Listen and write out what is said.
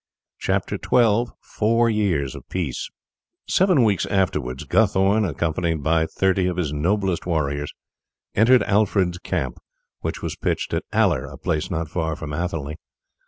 CHAPTER XII: FOUR YEARS OF PEACE Seven weeks afterwards Guthorn, accompanied by thirty of his noblest warriors, entered Alfred's camp, which was pitched at Aller, a place not far from Athelney.